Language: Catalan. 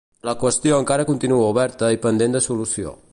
La qüestió encara continua oberta i pendent de solució.